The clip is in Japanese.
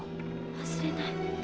忘れない。